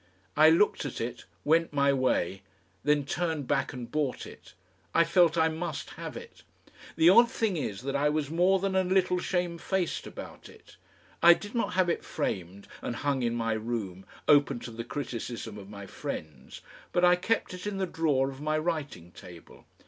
I looked at it, went my way, then turned back and bought it. I felt I must have it. The odd thing is that I was more than a little shamefaced about it. I did not have it framed and hung in my room open to the criticism of my friends, but I kept it in the drawer of my writing table.